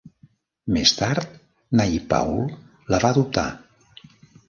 Més tard, Naipaul la va adoptar.